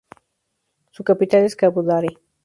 Su capital es Cabudare.